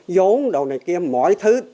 vốn đồ này kia mọi thứ